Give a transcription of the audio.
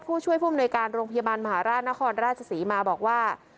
ผู้ช่วยผู้อำนวยการโรงพยาบาลมหาราชนครราชศรีมาบอกว่า